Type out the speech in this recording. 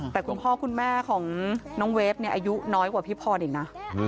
แต่คุณพ่อคุณแม่ของน้องเวฟเนี่ยอายุน้อยกว่าพี่พรอีกนะ